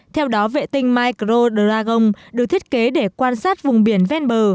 theo đó vệ tinh micro dragon được thiết kế để quan sát vùng biển ven bờ